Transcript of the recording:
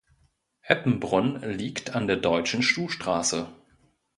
Eppenbrunn liegt an der Deutschen Schuhstraße.